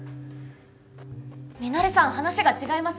ミナレさん話が違います！